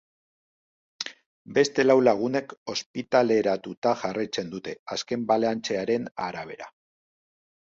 Beste lau lagunek ospitaleratuta jarraitzen dute, azken balantzearen arabera.